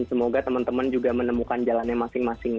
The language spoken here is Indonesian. jadi semoga teman teman juga menemukan jalannya masing masing